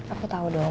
aku tau dong